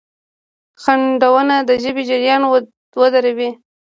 خنډونه د ژبې جریان ودروي.